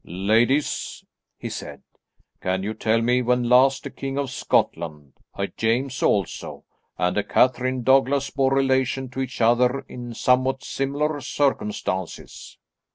"Ladies," he said, "can you tell me when last a King of Scotland a James also and a Catherine Douglas bore relation to each other in somewhat similar circumstances?"